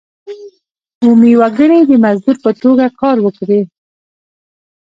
بومي وګړي د مزدور په توګه کار وکړي.